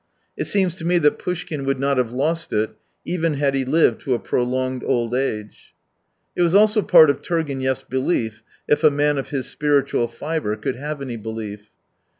It seems to me that Poushkin would not have lost it, even had he lived to a prolonged old age. It was also part of Turgenev's belief — if a man of his spiritual fibre could have any belief.